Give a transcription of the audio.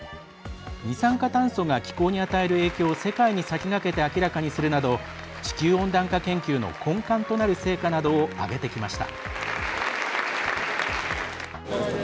二酸化炭素が気候に与える影響を世界に先駆けて明らかにするなど地球温暖化研究の根幹となる成果などをあげてきました。